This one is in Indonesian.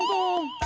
aku juga nggak tau